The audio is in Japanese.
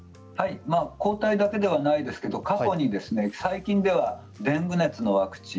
抗体だけではないんですけど過去に最近ではデング熱のワクチン